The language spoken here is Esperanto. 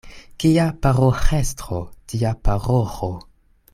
Kia paroĥestro, tia paroĥo.